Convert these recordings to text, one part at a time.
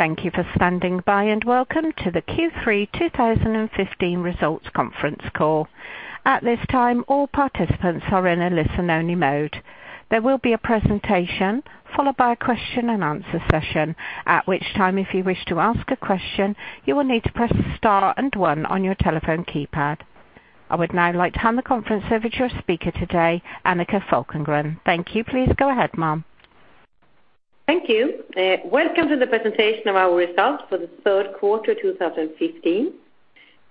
Thank you for standing by. Welcome to the Q3 2015 results conference call. At this time, all participants are in a listen-only mode. There will be a presentation followed by a question-and-answer session, at which time, if you wish to ask a question, you will need to press Star 1 on your telephone keypad. I would now like to hand the conference over to our speaker today, Annika Falkengren. Thank you. Please go ahead, ma'am. Thank you. Welcome to the presentation of our results for the third quarter 2015.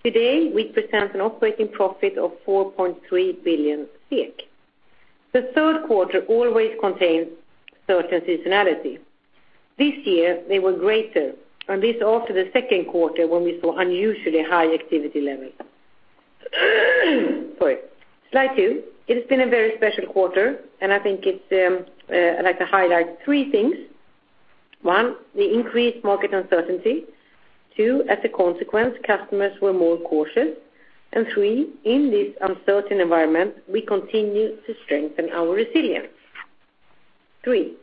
Today we present an operating profit of 4.3 billion. The third quarter always contains certain seasonality. This year they were greater, after the second quarter, when we saw unusually high activity levels. Sorry. Slide two. It has been a very special quarter. I think I'd like to highlight three things. One, the increased market uncertainty. Two, as a consequence, customers were more cautious. Three, in this uncertain environment, we continue to strengthen our resilience. Three.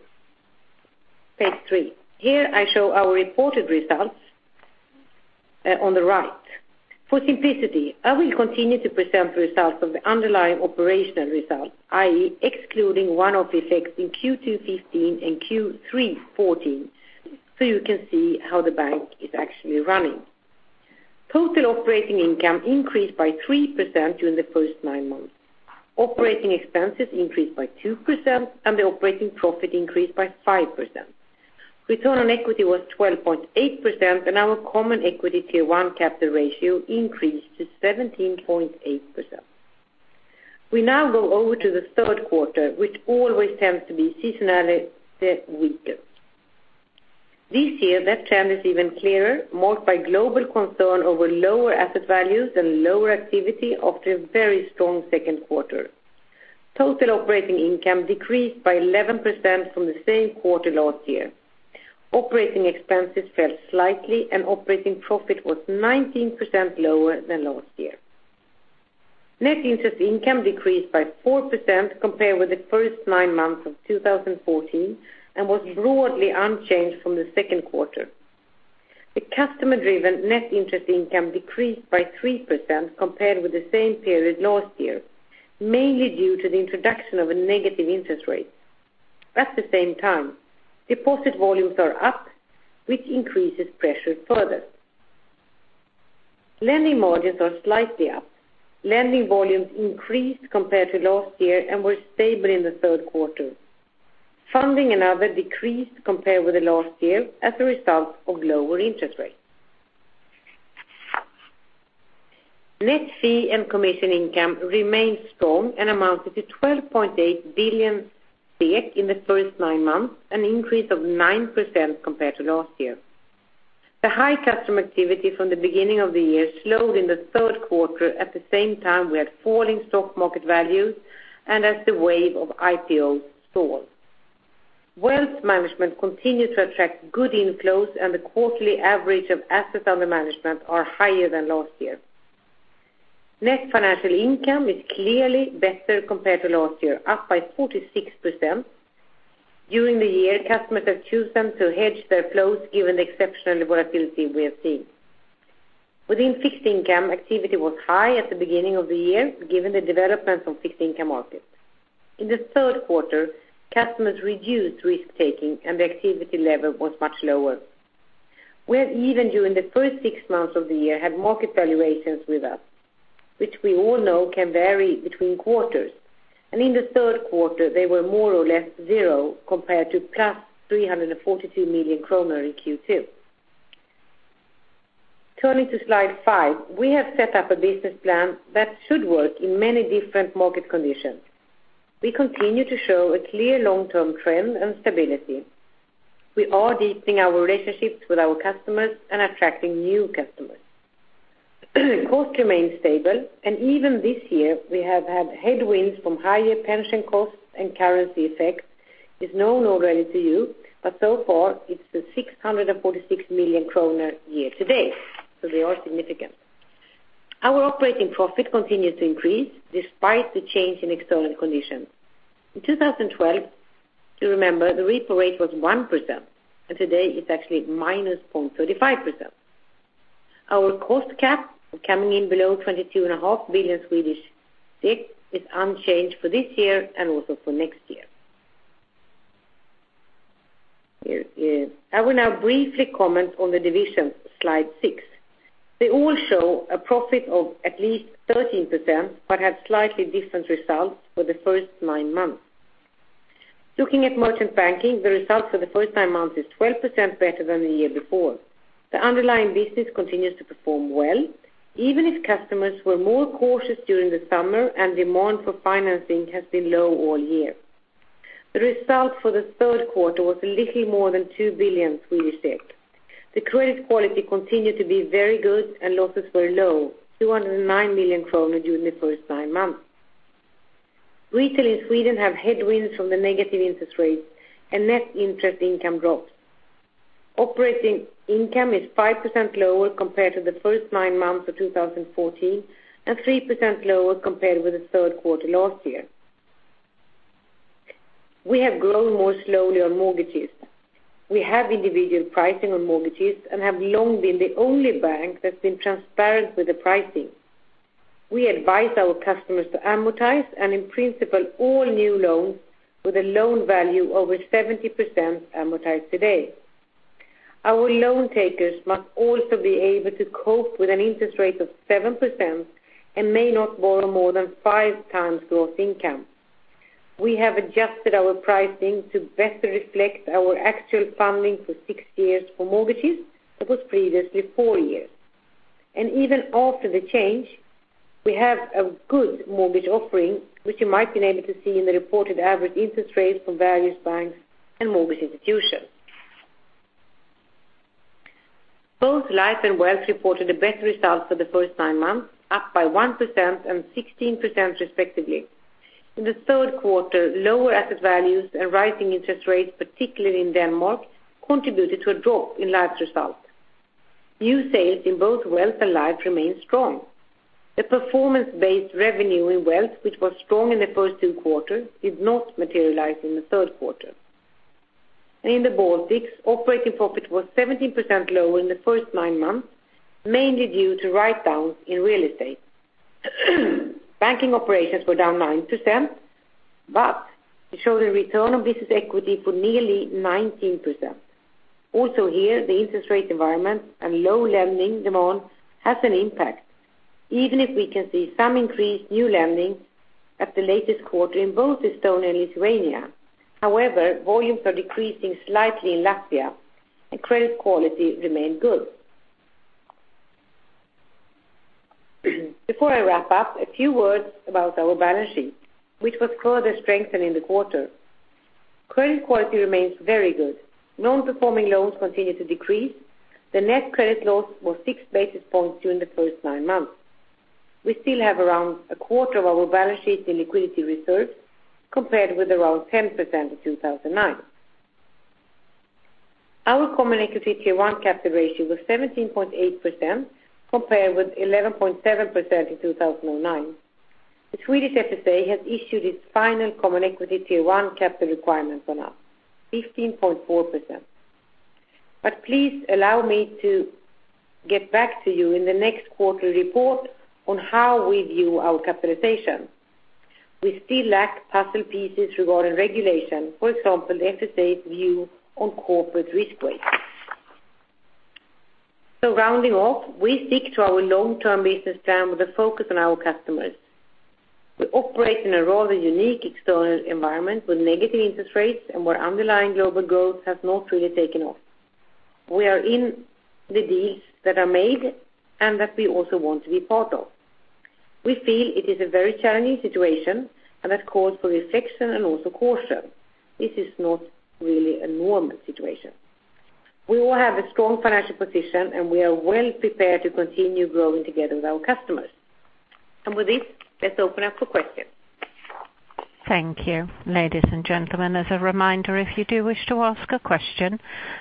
Page three. Here I show our reported results on the right. For simplicity, I will continue to present results of the underlying operational results, i.e. excluding one-off effects in Q2 2015 and Q3 2014, so you can see how the bank is actually running. Total operating income increased by 3% during the first nine months. Operating expenses increased by 2%. The operating profit increased by 5%. Return on equity was 12.8%. Our Common Equity Tier 1 capital ratio increased to 17.8%. We now go over to the third quarter, which always tends to be seasonally weaker. This year that trend is even clearer, marked by global concern over lower asset values and lower activity after a very strong second quarter. Total operating income decreased by 11% from the same quarter last year. Operating expenses fell slightly. Operating profit was 19% lower than last year. Net interest income decreased by 4% compared with the first nine months of 2014 and was broadly unchanged from the second quarter. The customer-driven net interest income decreased by 3% compared with the same period last year, mainly due to the introduction of a negative interest rate. At the same time, deposit volumes are up, which increases pressure further. Lending margins are slightly up. Lending volumes increased compared to last year and were stable in the third quarter. Funding and other decreased compared with last year as a result of lower interest rates. Net fee and commission income remained strong and amounted to 12.8 billion in the first nine months, an increase of 9% compared to last year. The high customer activity from the beginning of the year slowed in the third quarter. At the same time, we had falling stock market values as the wave of IPO stalled. Wealth management continued to attract good inflows. The quarterly average of assets under management are higher than last year. Net financial income is clearly better compared to last year, up by 46%. During the year, customers have chosen to hedge their flows given the exceptional volatility we have seen. Within fixed income, activity was high at the beginning of the year, given the developments on fixed income markets. In the third quarter, customers reduced risk-taking and the activity level was much lower. We have even, during the first six months of the year, had market valuations with us, which we all know can vary between quarters. In the third quarter they were more or less zero compared to plus 342 million kronor in Q2. Turning to slide five. We have set up a business plan that should work in many different market conditions. We continue to show a clear long-term trend and stability. We are deepening our relationships with our customers and attracting new customers. Costs remain stable. Even this year we have had headwinds from higher pension costs and currency effects. It's known already to you, so far it's the 646 million kronor year to date, so they are significant. Our operating profit continues to increase despite the change in external conditions. In 2012, if you remember, the repo rate was 1% and today it's actually -0.35%. Our cost cap coming in below 22.5 billion is unchanged for this year and also for next year. I will now briefly comment on the divisions. Slide six. They all show a profit of at least 13% but have slightly different results for the first nine months. Looking at merchant banking, the result for the first nine months is 12% better than the year before. The underlying business continues to perform well, even if customers were more cautious during the summer and demand for financing has been low all year. The result for the third quarter was a little more than 2 billion. The credit quality continued to be very good and losses were low, 209 million kronor during the first nine months. Retail in Sweden have headwinds from the negative interest rates and net interest income drops. Operating income is 5% lower compared to the first nine months of 2014 and 3% lower compared with the third quarter last year. We have grown more slowly on mortgages. We have individual pricing on mortgages and have long been the only bank that's been transparent with the pricing. We advise our customers to amortize and in principle, all new loans with a loan value over 70% amortized today. Our loan takers must also be able to cope with an interest rate of 7% and may not borrow more than five times gross income. We have adjusted our pricing to best reflect our actual funding for six years for mortgages that was previously four years. Even after the change, we have a good mortgage offering, which you might been able to see in the reported average interest rates from various banks and mortgage institutions. Both Life and Wealth reported a better result for the first nine months, up by 1% and 16% respectively. In the third quarter, lower asset values and rising interest rates, particularly in Denmark, contributed to a drop in Life's result. New sales in both Wealth and Life remain strong. The performance-based revenue in Wealth, which was strong in the first two quarters, did not materialize in the third quarter. In the Baltics, operating profit was 17% lower in the first nine months, mainly due to write-downs in real estate. Banking operations were down 9%, but it showed a return on business equity for nearly 19%. Also here, the interest rate environment and low lending demand has an impact, even if we can see some increased new lending at the latest quarter in both Estonia and Lithuania. However, volumes are decreasing slightly in Latvia and credit quality remain good. Before I wrap up, a few words about our balance sheet, which was further strengthened in the quarter. Credit quality remains very good. Non-performing loans continue to decrease. The net credit loss was six basis points during the first nine months. We still have around a quarter of our balance sheet in liquidity reserves compared with around 10% in 2009. Our Common Equity Tier 1 capital ratio was 17.8%, compared with 11.7% in 2009. The Swedish FSA has issued its final Common Equity Tier 1 capital requirements on us, 15.4%. Please allow me to get back to you in the next quarterly report on how we view our capitalization. We still lack puzzle pieces regarding regulation, for example, the FSA's view on corporate risk weight. Rounding off, we stick to our long-term business plan with a focus on our customers. We operate in a rather unique external environment with negative interest rates and where underlying global growth has not really taken off. We are in the deals that are made and that we also want to be part of. We feel it is a very challenging situation and that calls for reflection and also caution. This is not really a normal situation. We all have a strong financial position, and we are well prepared to continue growing together with our customers. With this, let's open up for questions. Thank you. Ladies and gentlemen, as a reminder, if you do wish to ask a question,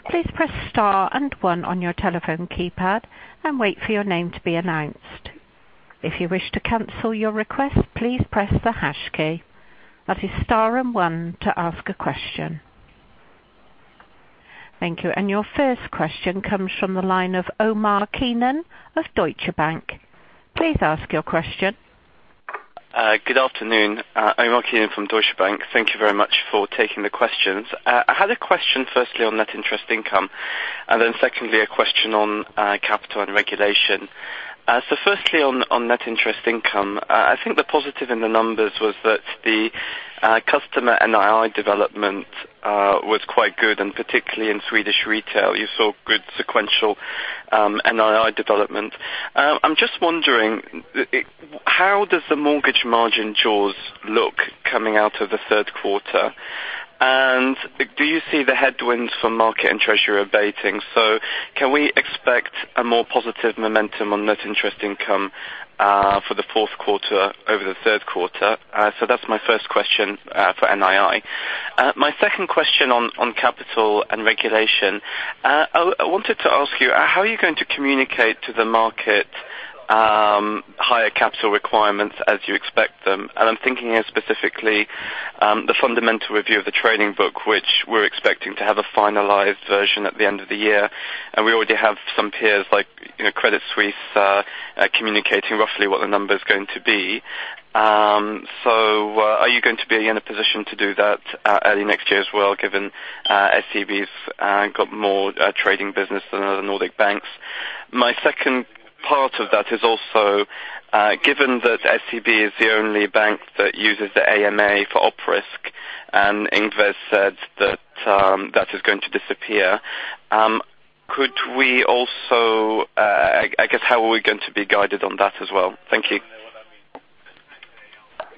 please press star and one on your telephone keypad and wait for your name to be announced. If you wish to cancel your request, please press the hash key. That is star and one to ask a question. Thank you. Your first question comes from the line of Omar Keenan of Deutsche Bank. Please ask your question. Good afternoon. Omar Keenan from Deutsche Bank. Thank you very much for taking the questions. I had a question firstly on net interest income, and then secondly a question on capital and regulation. Firstly on net interest income, I think the positive in the numbers was that the customer NII development was quite good, and particularly in Swedish Retail, you saw good sequential NII development. I'm just wondering, how does the mortgage margin jaws look coming out of the third quarter? Do you see the headwinds for market and treasury abating? Can we expect a more positive momentum on net interest income for the fourth quarter over the third quarter? That's my first question for NII. My second question on capital and regulation. I wanted to ask you, how are you going to communicate to the market higher capital requirements as you expect them? I'm thinking here specifically the Fundamental Review of the Trading Book, which we're expecting to have a finalized version at the end of the year. We already have some peers like Credit Suisse communicating roughly what the number's going to be. Are you going to be in a position to do that early next year as well, given SEB's got more trading business than other Nordic banks? My second part of that is also, given that SEB is the only bank that uses the AMA for op risk, and Ingves said that is going to disappear. I guess how are we going to be guided on that as well? Thank you.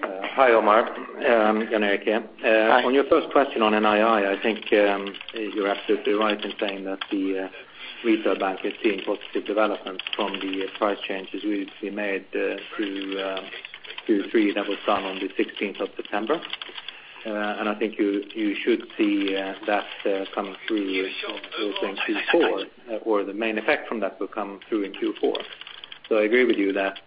Hi, Omar. Jan Erik here. Hi. On your first question on NII, I think you're absolutely right in saying that the Retail Bank is seeing positive developments from the price changes we made through fee that was done on the 16th of September. I think you should see that coming through those in Q4, or the main effect from that will come through in Q4. I agree with you that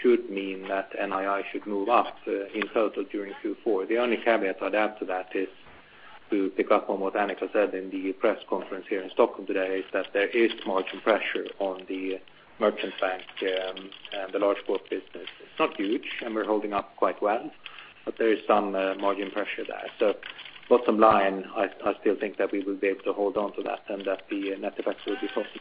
should mean that NII should move up in total during Q4. The only caveat I'd add to that is to pick up on what Annika said in the press conference here in Stockholm today, is that there is margin pressure on the merchant bank and the large corporate business. It's not huge, and we're holding up quite well. There is some margin pressure there. Bottom line, I still think that we will be able to hold on to that and that the net effect will be positive.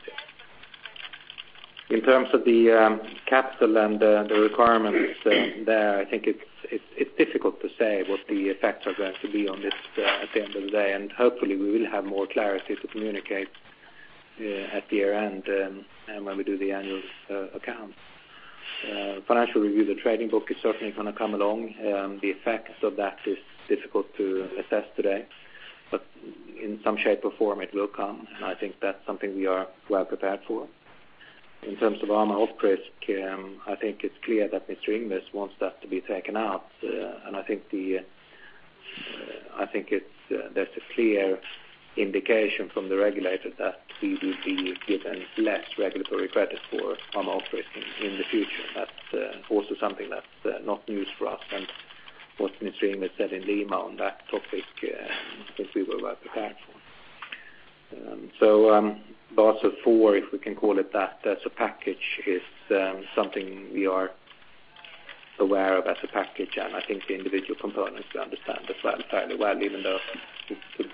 In terms of the capital and the requirements there, I think it's difficult to say what the effects are going to be on this at the end of the day. Hopefully we will have more clarity to communicate at the year-end and when we do the annual accounts. Fundamental Review of the Trading Book is certainly going to come along. The effects of that is difficult to assess today. In some shape or form it will come, and I think that's something we are well prepared for. In terms of AMA, I think it's clear that Mr. Ingves wants that to be taken out. I think there's a clear indication from the regulator that we will be given less regulatory credit for AMA in the future. That's also something that's not news for us and what Mr. Ingves said in Lima on that topic, I think we were well prepared for. Basel IV, if we can call it that, as a package is something we are aware of as a package, and I think the individual components understand it fairly well, even though to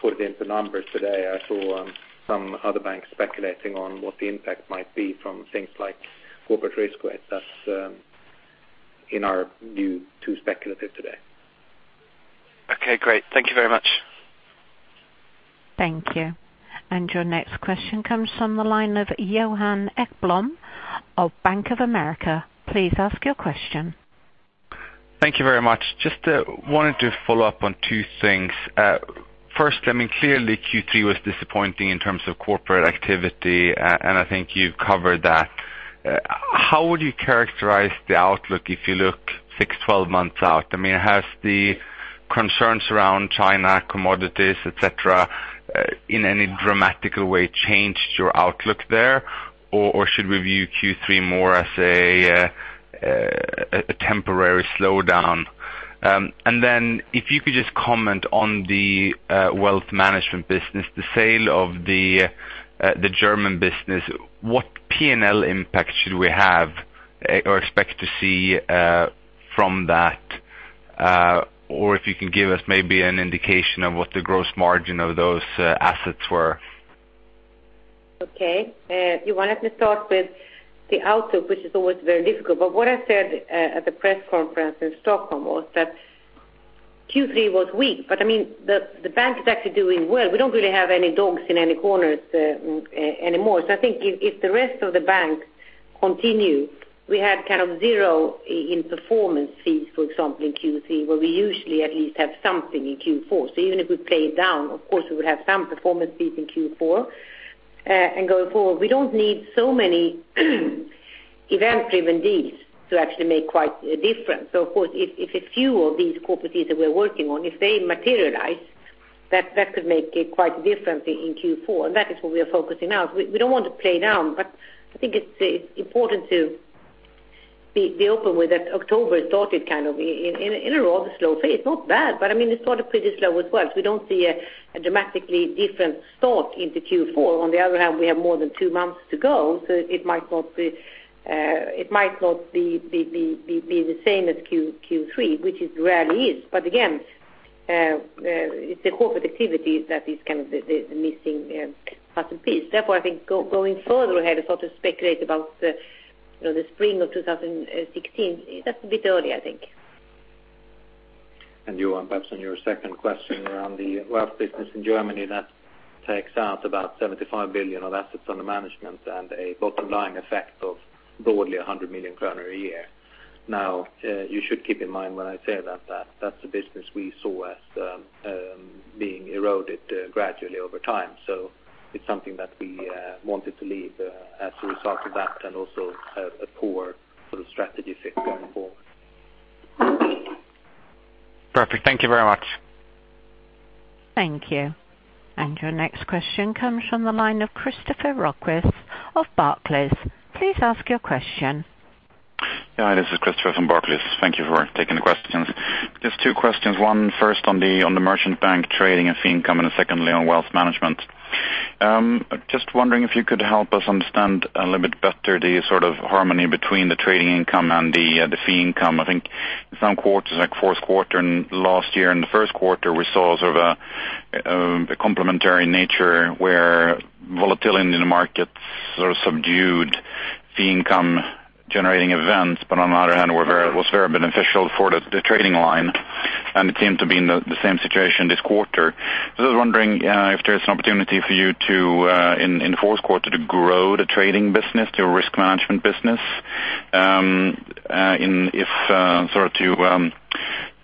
put it into numbers today, I saw some other banks speculating on what the impact might be from things like corporate risk weight that's, in our view, too speculative today. Okay, great. Thank you very much. Thank you. Your next question comes from the line of Johan Ekblom of Bank of America. Please ask your question. Thank you very much. Just wanted to follow up on two things. First, clearly Q3 was disappointing in terms of corporate activity, and I think you've covered that. How would you characterize the outlook if you look 6, 12 months out? Has the concerns around China, commodities, et cetera, in any dramatic way changed your outlook there? Should we view Q3 more as a temporary slowdown? If you could just comment on the wealth management business, the sale of the German business. What P&L impact should we have or expect to see from that? If you can give us maybe an indication of what the gross margin of those assets were. Okay. You wanted me to start with the outlook, which is always very difficult. What I said at the press conference in Stockholm was that Q3 was weak, but the bank is actually doing well. We don't really have any dogs in any corners anymore. I think if the rest of the bank continue, we had zero in performance fees, for example, in Q3, where we usually at least have something in Q4. Even if we play it down, of course, we would have some performance fees in Q4. Going forward, we don't need so many event-driven deals to actually make quite a difference. Of course, if a few of these corporate deals that we're working on, if they materialize, that could make quite a difference in Q4, and that is what we are focusing on. We don't want to play down, but I think it's important to be open with that October started in a rather slow pace. Not bad, but it started pretty slow as well. We don't see a dramatically different start into Q4. On the other hand, we have more than two months to go, so it might not be the same as Q3, which it rarely is. Again, it's the corporate activity that is the missing puzzle piece. Therefore, I think going further ahead and speculate about the spring of 2016, that's a bit early, I think. Johan, perhaps on your second question around the wealth business in Germany, that takes out about 75 billion of assets under management and a bottom-line effect of broadly 100 million kronor a year. You should keep in mind when I say that's the business we saw as being eroded gradually over time. It's something that we wanted to leave as a result of that and also a poor strategy fit going forward. Perfect. Thank you very much. Thank you. Your next question comes from the line of Christoffer Rokqvist of Barclays. Please ask your question. This is Christoffer from Barclays. Thank you for taking the questions. Just two questions. One first on the merchant bank trading and fee income, and secondly on wealth management. Just wondering if you could help us understand a little bit better the harmony between the trading income and the fee income. I think some quarters, like fourth quarter and last year in the first quarter, we saw a complementary nature where volatility in the markets subdued fee income-generating events, but on the other hand, was very beneficial for the trading line. It seemed to be in the same situation this quarter. I was wondering if there's an opportunity for you in the fourth quarter to grow the trading business, your risk management business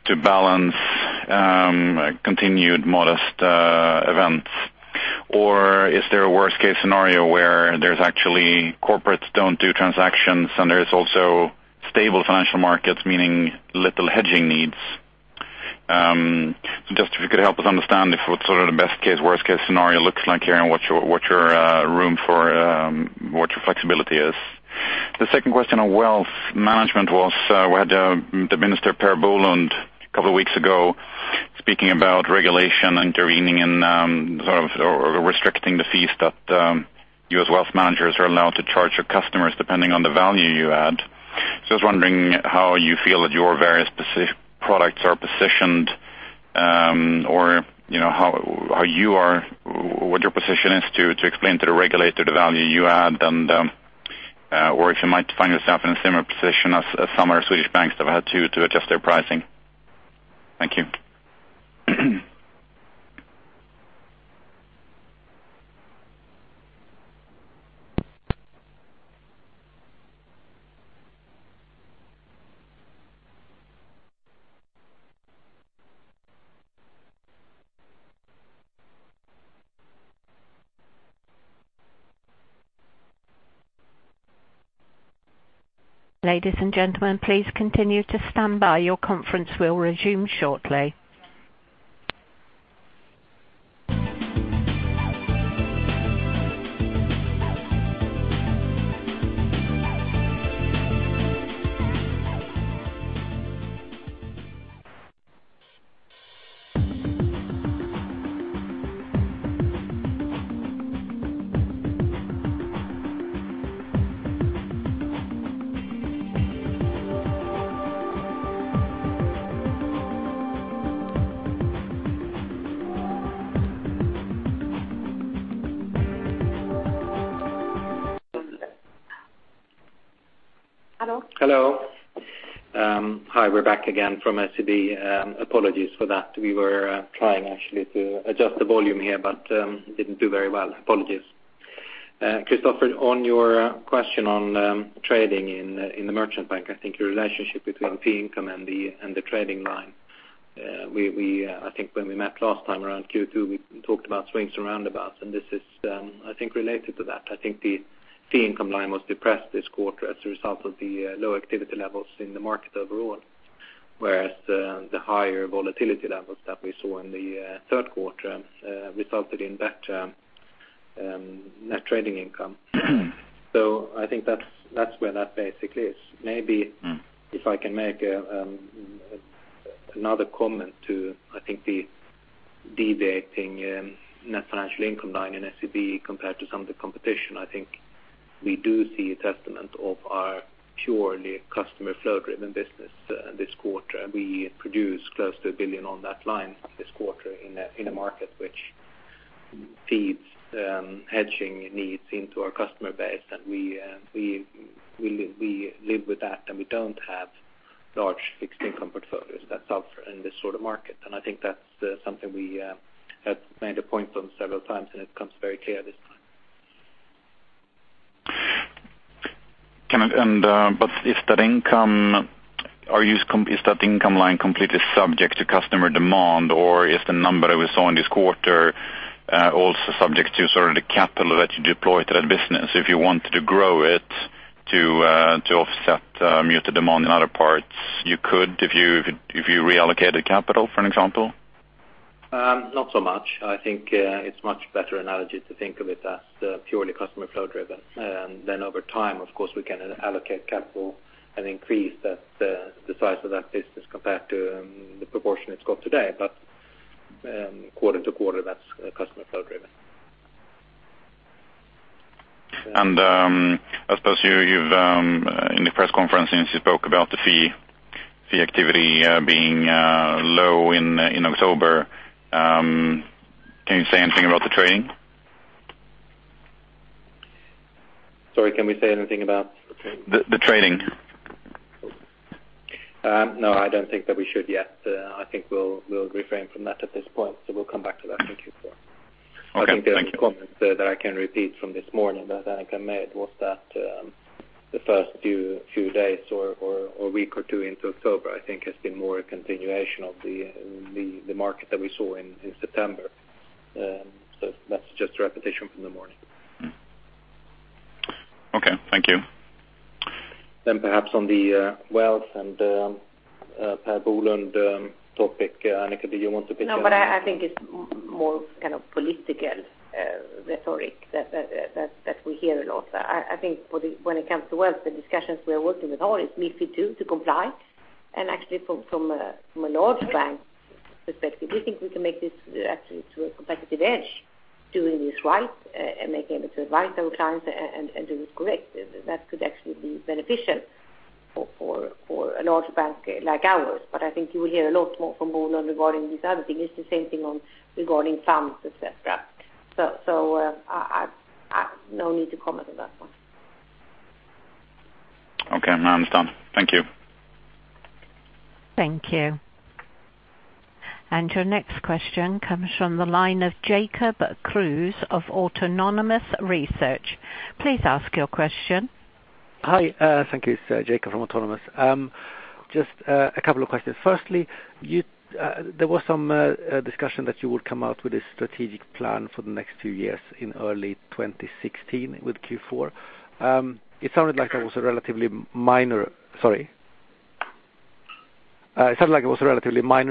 to balance continued modest events. Or is there a worst-case scenario where there's actually corporates don't do transactions, and there's also stable financial markets, meaning little hedging needs? Just if you could help us understand if what the best-case, worst-case scenario looks like here and what your room for what your flexibility is. The second question on wealth management was, we had the Minister Per Bolund a couple of weeks ago speaking about regulation, intervening and restricting the fees that you as wealth managers are allowed to charge your customers depending on the value you add. I was wondering how you feel that your various products are positioned or what your position is to explain to the regulator the value you add, or if you might find yourself in a similar position as some other Swedish banks that have had to adjust their pricing. Thank you. Ladies and gentlemen, please continue to stand by. Your conference will resume shortly. Hello. Hello. Hi. We're back again from SEB. Apologies for that. We were trying actually to adjust the volume here, but didn't do very well. Apologies. Christoffer, on your question on trading in the merchant bank, I think your relationship between fee income and the trading line. I think when we met last time around Q2, we talked about swings around about, and this is, I think, related to that. I think the fee income line was depressed this quarter as a result of the low activity levels in the market overall, whereas the higher volatility levels that we saw in the third quarter resulted in better net trading income. I think that's where that basically is. Maybe if I can make another comment to, I think the deviating net financial income line in SEB compared to some of the competition. I think we do see a testament of our purely customer flow-driven business this quarter. We produce close to 1 billion on that line this quarter in a market which feeds hedging needs into our customer base, and we live with that, and we don't have large fixed income portfolios that suffer in this sort of market. I think that's something we have made a point on several times, and it comes very clear this time. Is that income line completely subject to customer demand, or is the number we saw in this quarter also subject to the capital that you deploy to that business? If you wanted to grow it to offset muted demand in other parts, you could if you reallocated capital, for an example? Not so much. I think it's a much better analogy to think of it as purely customer flow-driven. Over time, of course, we can allocate capital and increase the size of that business compared to the proportion it's got today. Quarter to quarter, that's customer flow-driven. I suppose in the press conference, since you spoke about the fee activity being low in October, can you say anything about the trading? Sorry, can we say anything about the trading? The trading. No, I don't think that we should yet. I think we'll refrain from that at this point. We'll come back to that in Q4. Okay. Thank you. I think there's a comment that I can repeat from this morning that Annika made was that the first few days or week or two into October, I think, has been more a continuation of the market that we saw in September. That's just a repetition from the morning. Okay. Thank you. Perhaps on the wealth and Per Bolund topic. Annika, do you want to pick that up? No, I think it's more political rhetoric that we hear a lot. I think when it comes to wealth, the discussions we are working with are it's MiFID II to comply. Actually from a large bank perspective, we think we can make this actually to a competitive edge, doing this right and making it to advise our clients and do it correct. That could actually be beneficial for a large bank like ours. I think you will hear a lot more from Bolund regarding this other thing. It's the same thing regarding funds, et cetera. No need to comment on that one. Okay. No, understood. Thank you. Thank you. Your next question comes from the line of Jacob Kruse of Autonomous Research. Please ask your question Hi. Thank you. It's Jacob from Autonomous. Just a couple of questions. Firstly, there was some discussion that you would come out with a strategic plan for the next 2 years in early 2016 with Q4. It sounded like it was a relatively minor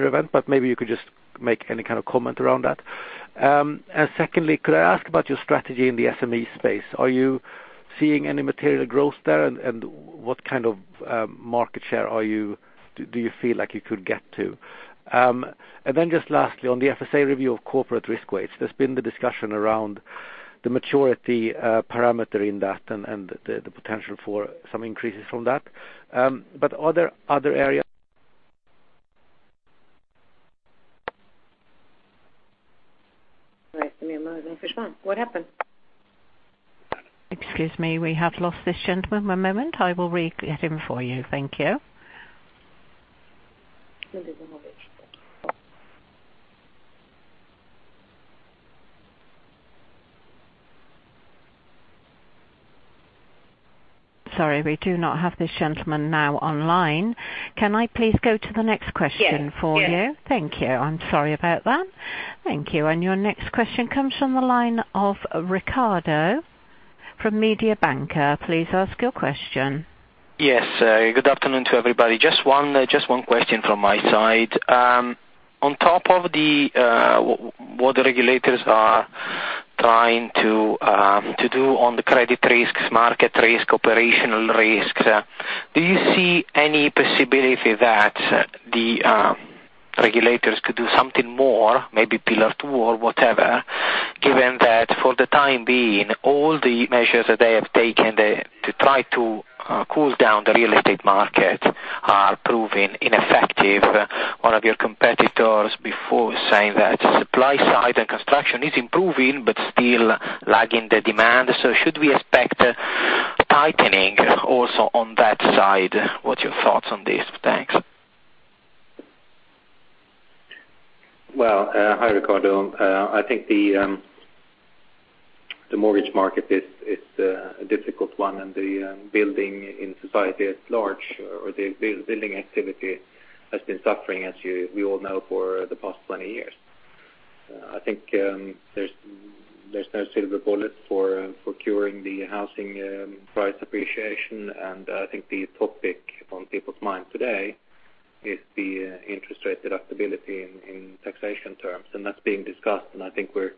event, but maybe you could just make any comment around that. Secondly, could I ask about your strategy in the SME space? Are you seeing any material growth there, and what kind of market share do you feel like you could get to? Lastly, on the FSA review of corporate risk weights, there's been the discussion around the maturity parameter in that and the potential for some increases from that. Other areas What happened? Excuse me, we have lost this gentleman. One moment, I will re-get him for you. Thank you. One moment. Thank you. Sorry, we do not have this gentleman now online. Can I please go to the next question for you? Yes. Thank you. I'm sorry about that. Thank you. Your next question comes from the line of Riccardo from Mediobanca. Please ask your question. Yes. Good afternoon to everybody. Just one question from my side. On top of what the regulators are trying to do on the credit risks, market risk, operational risks, do you see any possibility that the regulators could do something more, maybe Pillar 2 or whatever, given that for the time being, all the measures that they have taken to try to cool down the real estate market are proving ineffective. One of your competitors before saying that supply side and construction is improving but still lagging the demand. Should we expect tightening also on that side? What's your thoughts on this? Thanks. Well, hi, Riccardo. I think the mortgage market is a difficult one and the building in society at large, or the building activity, has been suffering, as we all know, for the past 20 years. I think there's no silver bullet for curing the housing price appreciation, and I think the topic on people's minds today is the interest rate deductibility in taxation terms. That's being discussed, and I think we're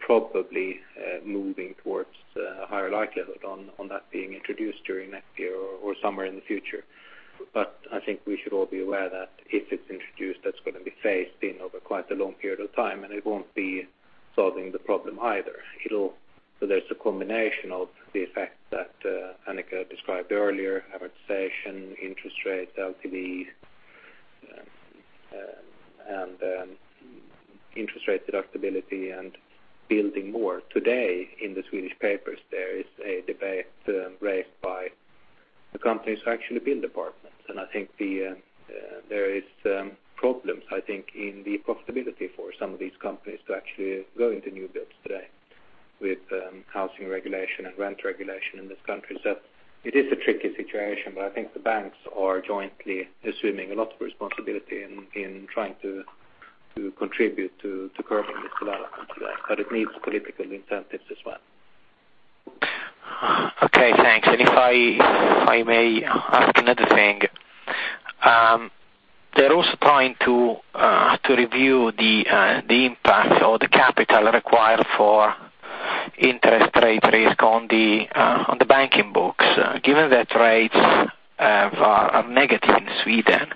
probably moving towards a higher likelihood on that being introduced during next year or somewhere in the future. I think we should all be aware that if it's introduced, that's going to be phased in over quite a long period of time, and it won't be solving the problem either. There's a combination of the effect that Annika described earlier, amortization, interest rate, LTV, and interest rate deductibility and building more. Today in the Swedish papers, there is a debate raised by the companies who actually build apartments. I think there is problems in the profitability for some of these companies to actually go into new builds today with housing regulation and rent regulation in this country. It is a tricky situation, but I think the banks are jointly assuming a lot of responsibility in trying to contribute to curbing this development today. It needs political incentives as well. Okay, thanks. If I may ask another thing. They're also trying to review the impact or the capital required for interest rate risk on the banking books, given that rates are negative in Sweden.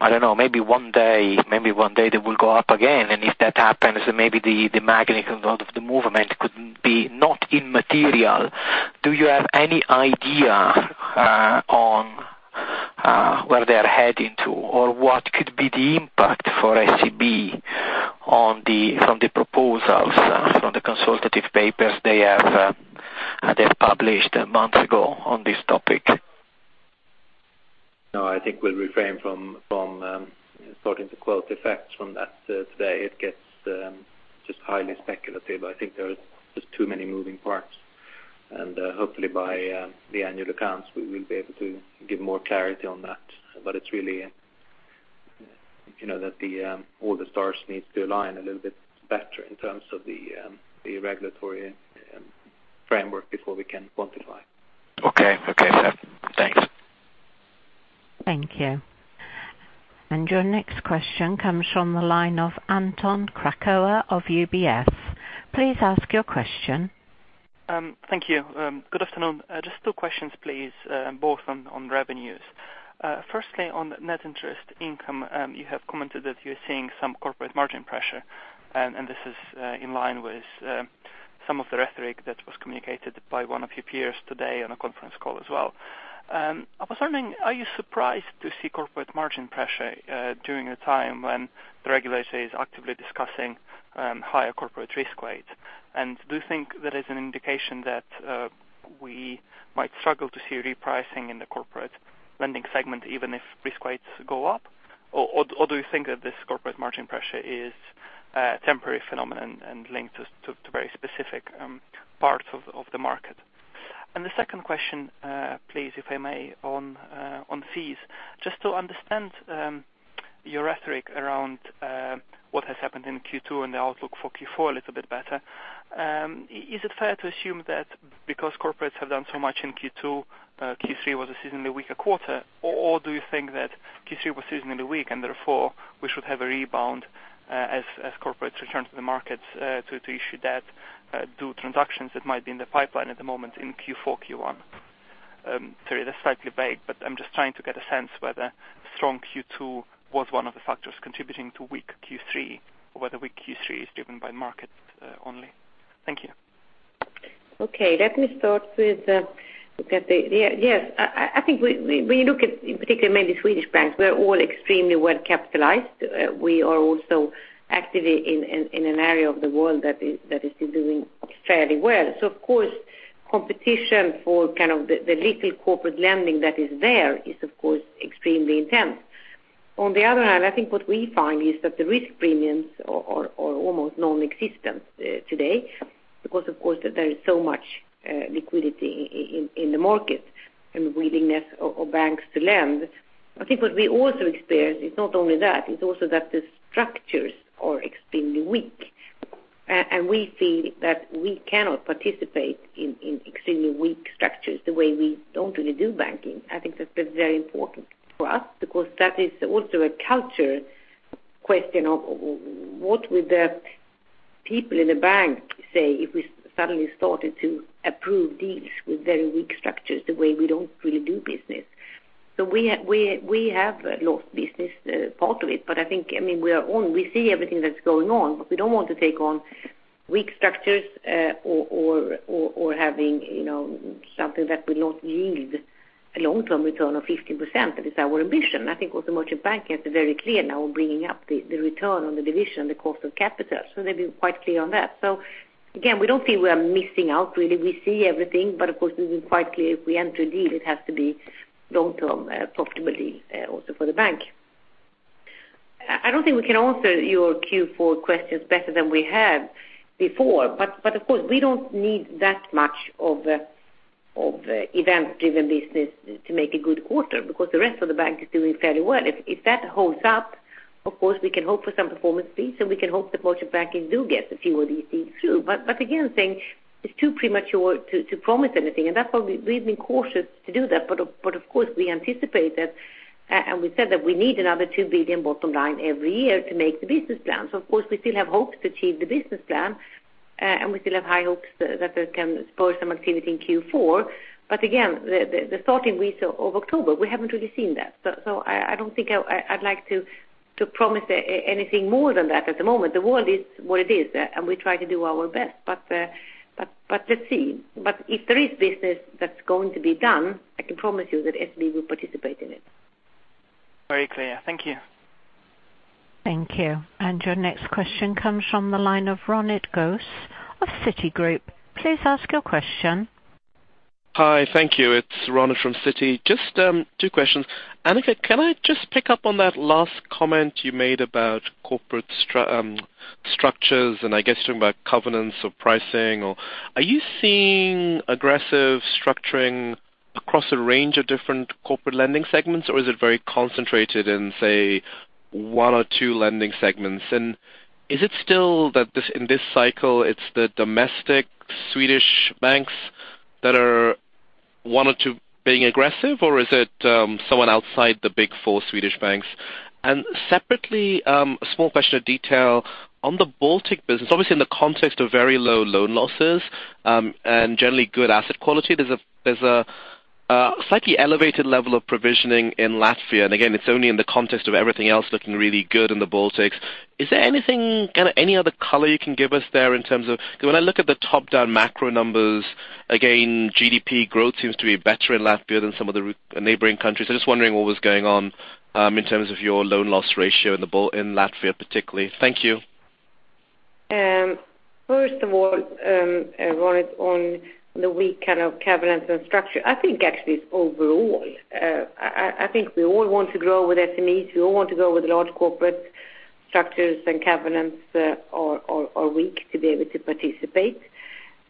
I don't know, maybe one day they will go up again, and if that happens, maybe the magnitude of the movement could be not immaterial. Do you have any idea on where they are heading to or what could be the impact for SEB from the proposals from the consultative papers they have published a month ago on this topic? No, I think we'll refrain from starting to quote effects from that today. It gets just highly speculative. I think there are just too many moving parts, and hopefully by the annual accounts, we will be able to give more clarity on that. It's really that all the stars need to align a little bit better in terms of the regulatory framework before we can quantify. Okay. Fair. Thanks. Thank you. Your next question comes from the line of Anton Kryachok of UBS. Please ask your question. Thank you. Good afternoon. Just two questions, please, both on revenues. Firstly, on net interest income, you have commented that you're seeing some corporate margin pressure, this is in line with some of the rhetoric that was communicated by one of your peers today on a conference call as well. I was wondering, are you surprised to see corporate margin pressure during a time when the regulator is actively discussing higher corporate risk rates? Do you think that is an indication that we might struggle to see repricing in the corporate lending segment, even if risk rates go up? Or do you think that this corporate margin pressure is A temporary phenomenon and linked to very specific parts of the market. The second question, please, if I may, on fees. Just to understand your rhetoric around what has happened in Q2 and the outlook for Q4 a little bit better, is it fair to assume that because corporates have done so much in Q2, Q3 was a seasonally weaker quarter? Or do you think that Q3 was seasonally weak and therefore we should have a rebound as corporates return to the market to issue debt due to transactions that might be in the pipeline at the moment in Q4, Q1? Sorry, that's slightly vague, but I'm just trying to get a sense whether strong Q2 was one of the factors contributing to weak Q3, or whether weak Q3 is driven by markets only. Thank you. Okay. Let me start with that. Yes. I think when you look at, in particular, maybe Swedish banks, we are all extremely well capitalized. We are also actively in an area of the world that is still doing fairly well. Of course, competition for the little corporate lending that is there is, of course, extremely intense. On the other hand, I think what we find is that the risk premiums are almost non-existent today because, of course, there is so much liquidity in the market and willingness of banks to lend. I think what we also experience is not only that, it's also that the structures are extremely weak, and we feel that we cannot participate in extremely weak structures the way we don't really do banking. I think that's been very important for us because that is also a culture question of what would the people in the bank say if we suddenly started to approve deals with very weak structures, the way we don't really do business. We have lost business, part of it. I think we see everything that's going on, but we don't want to take on weak structures or having something that will not yield a long-term return of 15%. That is our ambition. I think also Merchant Bank is very clear now on bringing up the return on the division, the cost of capital. They've been quite clear on that. Again, we don't feel we are missing out, really. We see everything, but of course we've been quite clear if we enter a deal, it has to be long-term profitability also for the bank. I don't think we can answer your Q4 questions better than we have before, but of course, we don't need that much of event-driven business to make a good quarter because the rest of the bank is doing fairly well. If that holds up, of course, we can hope for some performance fees, and we can hope the Merchant Bank do get a few of these deals through. Again, saying it's too premature to promise anything, and that's why we've been cautious to do that. Of course, we anticipate that, and we said that we need another 2 billion bottom line every year to make the business plan. Of course, we still have hopes to achieve the business plan, and we still have high hopes that there can spur some activity in Q4. Again, the starting weeks of October, we haven't really seen that. I don't think I'd like to promise anything more than that at the moment. The world is what it is, and we try to do our best. Let's see. If there is business that's going to be done, I can promise you that SEB will participate in it. Very clear. Thank you. Thank you. Your next question comes from the line of Ronit Ghose of Citigroup. Please ask your question. Hi. Thank you. It's Ronit from Citi. Just two questions. Annika, can I just pick up on that last comment you made about corporate structures, and I guess you're talking about covenants or pricing. Are you seeing aggressive structuring across a range of different corporate lending segments, or is it very concentrated in, say, one or two lending segments? Is it still that in this cycle it's the domestic Swedish banks that are one or two being aggressive, or is it someone outside the big four Swedish banks? Separately, a small question of detail on the Baltic business, obviously in the context of very low loan losses and generally good asset quality. There's a slightly elevated level of provisioning in Latvia, and again, it's only in the context of everything else looking really good in the Baltics. Is there any other color you can give us there in terms of Because when I look at the top-down macro numbers, again, GDP growth seems to be better in Latvia than some of the neighboring countries. Just wondering what was going on in terms of your loan loss ratio in Latvia particularly. Thank you. First of all, Ronit, on the weak covenants and structure, I think actually it's overall. I think we all want to grow with SMEs, we all want to grow with large corporate structures, and covenants are weak to be able to participate.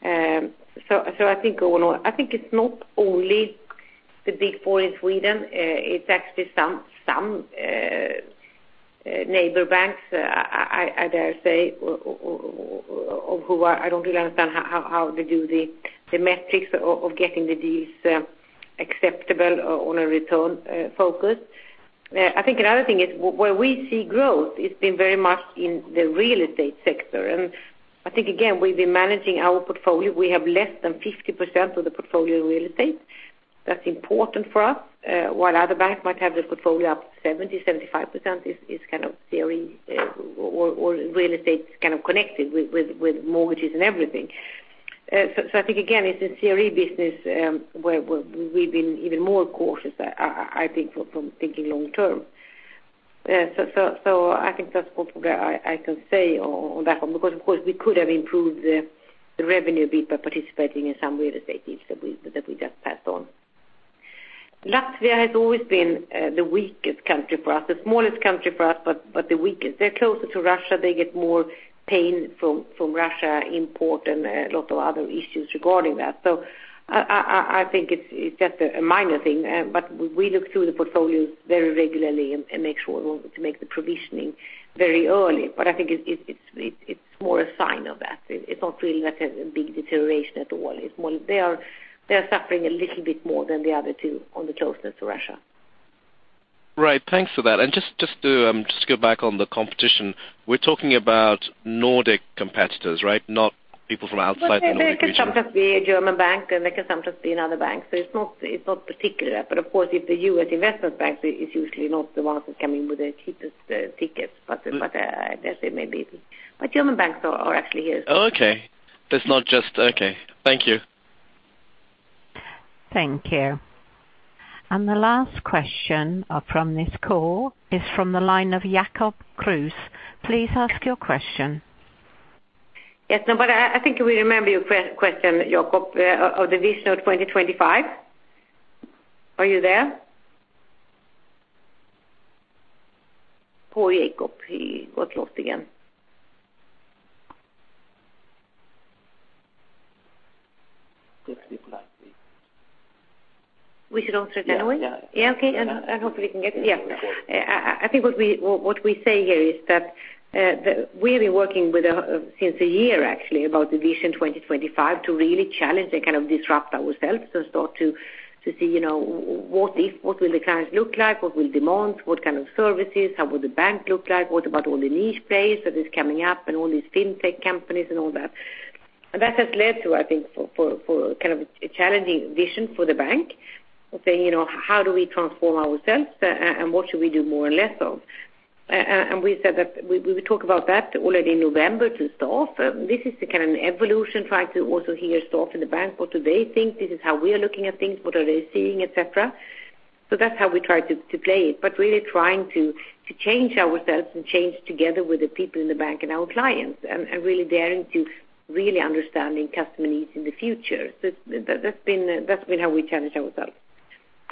I think it's not only the big four in Sweden, it's actually some neighbor banks, I dare say, of who I don't really understand how they do the metrics of getting the deals acceptable on a return focus. I think another thing is where we see growth, it's been very much in the real estate sector. I think again, we've been managing our portfolio. We have less than 50% of the portfolio in real estate. That's important for us. While other banks might have their portfolio up to 70%-75%, is kind of theory or real estate's kind of connected with mortgages and everything. I think again, it's a theory business where we've been even more cautious, I think, from thinking long term. I think that's what I can say on that one, because of course we could have improved the revenue a bit by participating in some real estate deals that we just passed on. Latvia has always been the weakest country for us. The smallest country for us, but the weakest. They're closer to Russia, they get more pain from Russia import and lots of other issues regarding that. I think it's just a minor thing, but we look through the portfolios very regularly and make sure to make the provisioning very early. I think it's more a sign of that. It's not really like a big deterioration at all. They are suffering a little bit more than the other two on the closeness to Russia. Right. Thanks for that. Just to go back on the competition, we're talking about Nordic competitors, right? Not people from outside the Nordic region. They can sometimes be a German bank, they can sometimes be another bank. It's not particular. Of course, if the U.S. investment bank is usually not the ones that come in with the cheapest tickets, but I dare say maybe. German banks are actually here. Okay. Thank you. Thank you. The last question from this call is from the line of Jacob Kruse. Please ask your question. Yes. I think we remember your question, Jacob, of the Vision 2025. Are you there? Poor Jacob, he got lost again. We should answer it anyway? Yeah. Okay. Hopefully he can get. I think what we say here is that we've been working since a year actually about the Vision 2025 to really challenge and kind of disrupt ourselves and start to see what will the clients look like, what will demand, what kind of services, how will the bank look like, what about all the niche players that is coming up and all these fintech companies and all that. That has led to, I think, for a challenging vision for the bank, saying, how do we transform ourselves and what should we do more and less of? We said that we would talk about that already in November to start. This is the kind of evolution, trying to also hear staff in the bank, what do they think this is how we are looking at things, what are they seeing, et cetera. That's how we try to play it, really trying to change ourselves and change together with the people in the bank and our clients and really daring to really understanding customer needs in the future. That's been how we challenge ourselves.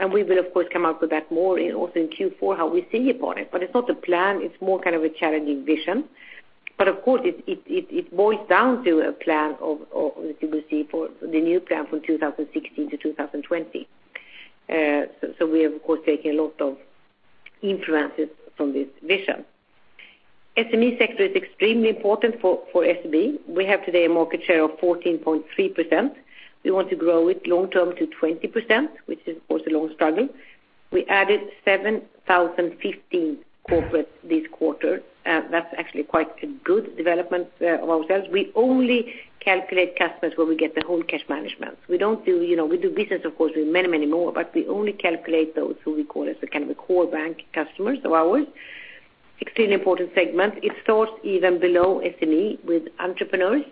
We will of course come out with that more also in Q4 how we see about it. It's not a plan, it's more kind of a challenging vision. Of course it boils down to a plan of, as you will see, for the new plan from 2016 to 2020. We have of course taken a lot of influences from this vision. SME sector is extremely important for SEB. We have today a market share of 14.3%. We want to grow it long-term to 20%, which is of course a long struggle. We added 7,015 corporate this quarter. That's actually quite a good development of ourselves. We only calculate customers where we get the whole cash management. We do business of course, with many more, we only calculate those who we call as a kind of a core bank customers of ours. Extremely important segment. It starts even below SME with entrepreneurs.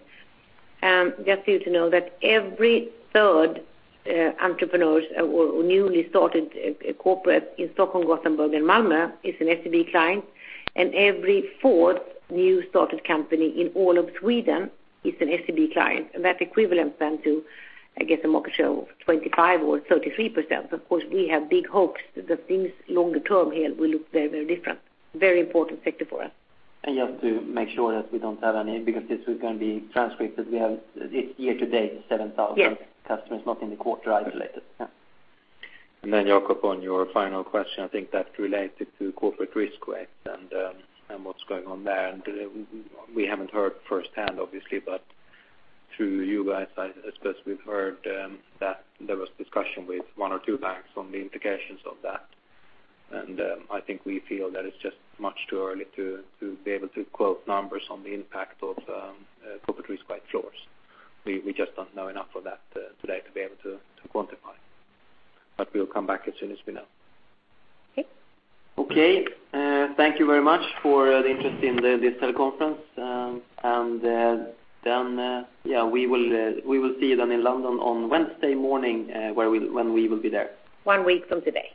Just you to know that every third entrepreneurs or newly started corporate in Stockholm, Gothenburg and Malmo is an SEB client, every fourth new started company in all of Sweden is an SEB client. That's equivalent then to, I guess, a market share of 25% or 33%. Of course we have big hopes that things longer term here will look very different. Very important sector for us. Just to make sure that we don't have any, because this is going to be transcribed. We have it year to date, 7,000- Yes customers, not in the quarter isolated. Jacob, on your final question, I think that related to corporate risk weight and what's going on there, we haven't heard firsthand obviously, but through you guys, I suppose we've heard that there was discussion with one or two banks on the implications of that. I think we feel that it's just much too early to be able to quote numbers on the impact of corporate risk weight floors. We just don't know enough of that today to be able to quantify. We'll come back as soon as we know. Okay. Okay. Thank you very much for the interest in this teleconference. We will see you then in London on Wednesday morning when we will be there. One week from today.